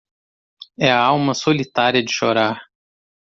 É a alma solitária de chorar